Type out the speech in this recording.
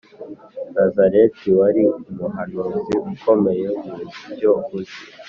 Nazareti wari umuhanuzi ukomeye mu byo uzi